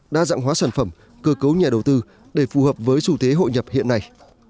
đa dạng hóa sản phẩm cơ cấu nhà đầu tư để phù hợp với xu thế hội nhập hiện nay